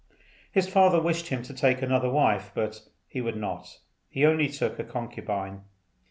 His father wished him to take another wife, but he would not. He only took a concubine.